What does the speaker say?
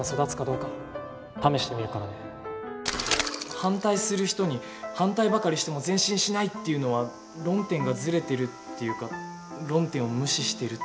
反対する人に「反対ばかりしても前進しない」って言うのは論点がずれてるっていうか論点を無視してるっていうか。